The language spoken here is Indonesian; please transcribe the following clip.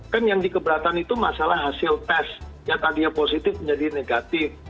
kan yang dikeberatan itu masalah hasil tes yang tadinya positif menjadi negatif